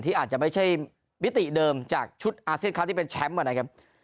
ที่อาจจะไม่ใช่วิติเดิมจากชุดอาเซนครัฐที่เป็นแชมป์ว่านะครับ